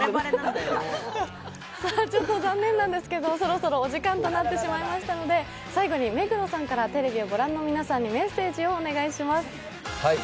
残念なんですが、お時間となってしまいましたので最後に目黒さんからテレビをご覧の皆さんにメッセージをお願いします。